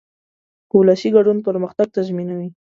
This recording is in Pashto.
ولسي ګډون پرمختګ تضمینوي.